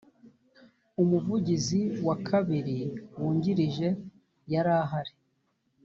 umuvugizi wa kabiri wungirije yari ahari